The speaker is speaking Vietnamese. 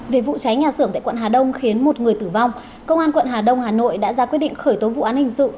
về vụ cháy nhà xưởng tại quận hà đông khiến một người tử vong công an quận hà đông hà nội đã ra quyết định khởi tố vụ án hình sự